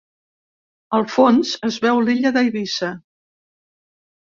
Al fons es veu l'illa d'Eivissa.